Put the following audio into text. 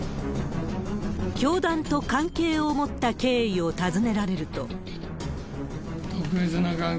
教団と関係を持った経緯を訪ねられると。